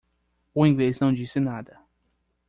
O inglês não disse nada.